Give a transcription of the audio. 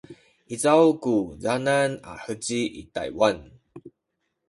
izaw ku canan a heci i Taywan?